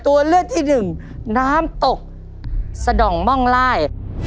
ตัวเลือดที่๑น้ำตกสะดอกม่องล่าย